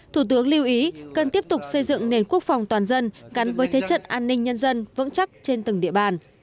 thủ tướng lưu ý cần tiếp tục xây dựng nền quốc phòng toàn dân gắn với thế trận an ninh nhân dân vững chắc trên từng địa bàn